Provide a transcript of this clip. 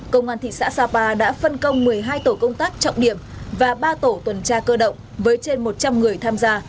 công an thị xã sapa đã phân công một mươi hai tổ công tác trọng điểm và ba tổ tuần tra cơ động với trên một trăm linh người tham gia